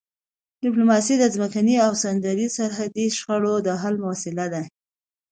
ډیپلوماسي د ځمکني او سمندري سرحدي شخړو د حل وسیله ده.